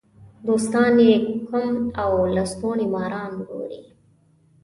دوستان یې کم او لستوڼي ماران ګوري.